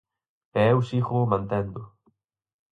E eu sígoo mantendo.